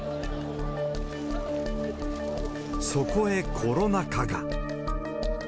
そこへコロナ禍が。